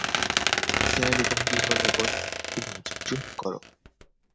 নিসার আলি গম্ভীর গলায় বললেন, ফিরোজ, চুপ কর।